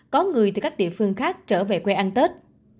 có người từ các địa phương khác trở về quê ăn tết